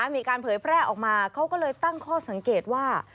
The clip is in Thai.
มีการเผยแพร่ออกมาเขาก็เลยตั้งข้อสังเกตว่า